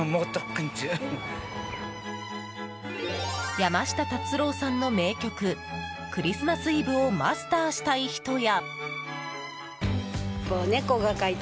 山下達郎さんの名曲「クリスマス・イブ」をマスターしたい人や。